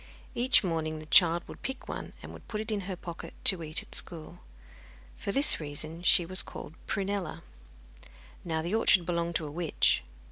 Each morning the child would pick one, and put it into her pocket to eat at school. For this reason she was called Prunella. Now, the orchard belonged to a witch.